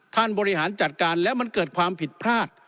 บริหารจัดการแล้วมันเกิดความผิดพลาด